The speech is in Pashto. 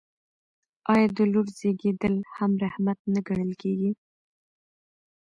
آیا د لور زیږیدل هم رحمت نه ګڼل کیږي؟